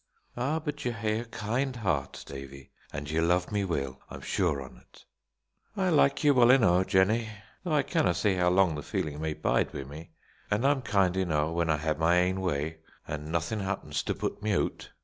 "Ah, but ye hae a kind heart, Davie! an' ye love me weel. I'm sure on't." "I like ye weel enoo', Jennie, though I canna say how long the feeling may bide wi' me; an' I'm kind enoo' when I hae my ain way, an' naethin' happens to put me oot.